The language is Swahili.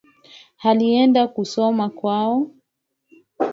Alienda kusema kwao